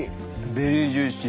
ベリージューシー。